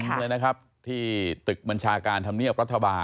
เหมือนเลยนะครับที่ตึกมัญชาการธรรมนีมงัยกับรัฐบาล